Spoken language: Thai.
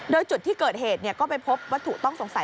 โดยจุดที่เกิดเหตุก็ไปพบวัตถุต้องสงสัย